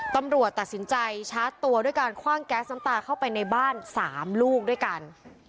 ตำรวจตัดสินใจชาร์จตัวด้วยการคว่างแก๊สน้ำตาเข้าไปในบ้าน๓ลูกด้วยกัน